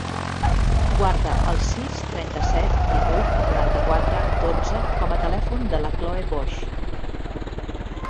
Guarda el sis, trenta-set, divuit, noranta-quatre, dotze com a telèfon de la Chloé Boix.